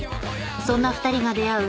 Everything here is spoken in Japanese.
そんなふたりが出会う